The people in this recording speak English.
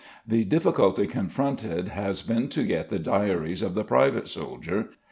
The difficulty confronted has been to get the diaries of the private soldier.